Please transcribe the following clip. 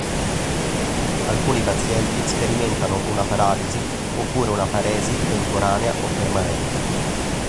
Alcuni pazienti sperimentano una paralisi oppure una paresi temporanea o permanente.